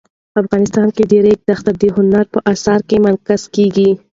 افغانستان کې د ریګ دښتې د هنر په اثار کې منعکس کېږي.